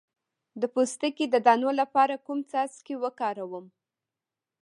د پوستکي د دانو لپاره کوم څاڅکي وکاروم؟